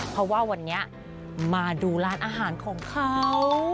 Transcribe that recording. เพราะว่าวันนี้มาดูร้านอาหารของเขา